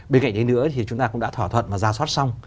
bên cạnh đấy nữa thì chúng ta cũng đã thỏa thuận và ra soát xong